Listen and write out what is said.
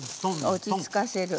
落ち着かせる。